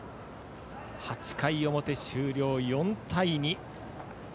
８回表終了、４対２。